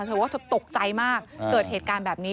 เธอว่าเธอตกใจมากเกิดเหตุการณ์แบบนี้